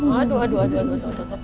aduh aduh aduh